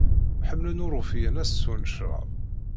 Ḥemmlen uṛufiyen ad swen ccṛab.